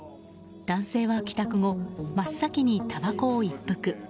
男性は帰宅後真っ先に、たばこを一服。